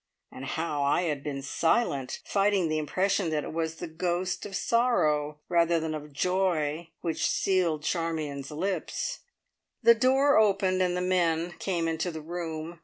And how I had been silent, fighting the impression that it was the ghost of sorrow, rather than of joy, which sealed Charmion's lips. The door opened, and the men came into the room.